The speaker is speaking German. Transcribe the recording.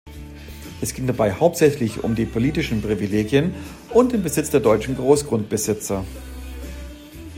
Es ging dabei hauptsächlich um die politischen Privilegien und den Besitz der deutschen Großgrundbesitzer.